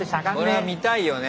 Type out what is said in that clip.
これは見たいよね